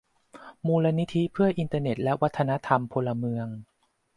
มูลนิธิเพื่ออินเทอร์เน็ตและวัฒนธรรมพลเมือง